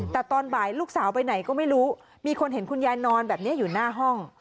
แต่ตอนบ่ายลูกสาวไปไหนก็ไม่รู้มีคนเห็นคุณยายนอนแบบนี้อยู่หน้าห้อง